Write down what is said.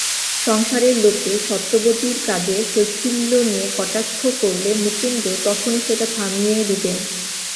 সংসারের লোকে সত্যবতীর কাজে শৈথিল্য নিয়ে কটাক্ষ করলে মুকুন্দ তখনই সেটা থামিয়ে দিতেন।